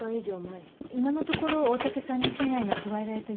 今のところ大竹さんに危害が加えられた様子はないわ。